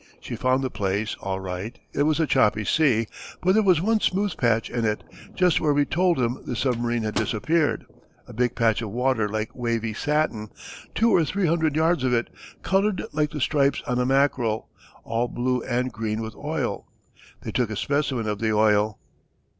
She found the place, all right. It was a choppy sea, but there was one smooth patch in it, just where we told 'em the submarine had disappeared; a big patch of water like wavy satin, two or three hundred yards of it, coloured like the stripes on mackerel, all blue and green with oil. They took a specimen of the oil."